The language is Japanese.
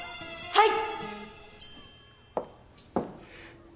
はい？